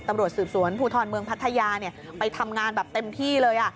ตำรวจสืบสวนภูทรเมืองพัทยาไปทำงานแบบเต็มที่เลย